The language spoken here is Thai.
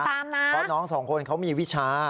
เพราะน้องสองคนเขามีวิชา